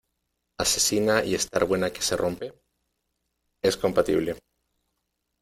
asesina y estar buena que se rompe? es compatible.